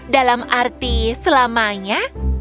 dalam arti selamanya